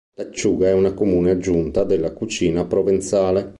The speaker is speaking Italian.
L'acciuga è una comune aggiunta nella cucina provenzale.